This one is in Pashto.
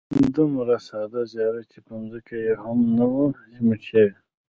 دومره ساده زیارت چې ځمکه یې هم نه وه سیمټ شوې.